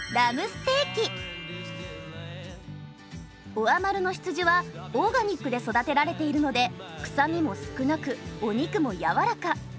オアマルの羊はオーガニックで育てられているので臭みも少なくお肉も軟らか。